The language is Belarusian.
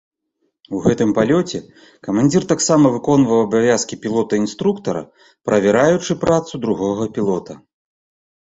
У гэтым палёце камандзір таксама выконваў абавязкі пілота-інструктара, правяраючы працу другога пілота.